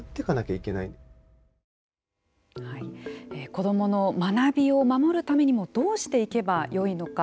子どもの学びを守るためにもどうしていけばよいのか。